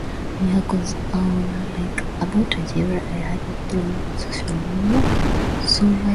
Themanini na saba Hata hivyo licha ya maisha ya kisasa wanayoishi mjini wengi hurudi